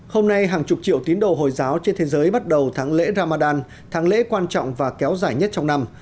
hôm nay hàng chục triệu tín đồ hồi giáo trên thế giới bắt đầu tháng lễ ramadan tháng lễ quan trọng và kéo dài nhất trong năm